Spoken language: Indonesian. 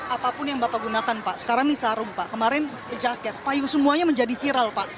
apapun yang bapak gunakan pak sekarang ini sarung pak kemarin jaket payung semuanya menjadi viral pak